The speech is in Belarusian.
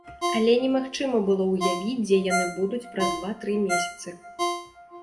Але немагчыма было ўявіць, дзе яны будуць праз два-тры месяцы.